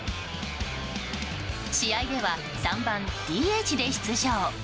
試合では３番ＤＨで出場。